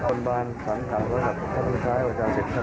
ควรบาน๓๓บาทถ้าต้องใช้อาจารย์๑๐บาท